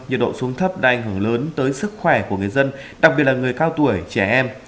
nhiệt độ xuống thấp đã ảnh hưởng lớn tới sức khỏe của người dân đặc biệt là người cao tuổi trẻ em